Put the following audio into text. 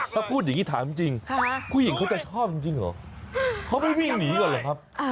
ถ้าพูดอย่างนี้ถามจริงผู้หญิงเขาจะชอบจริงเหรอเขาไม่วิ่งหนีก่อนเหรอครับ